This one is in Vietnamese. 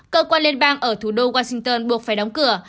cơ quan liên bang ở thủ đô washington buộc phải đóng cửa